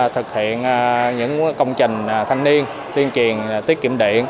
thực hiện những công trình thanh niên tuyên truyền tiết kiệm điện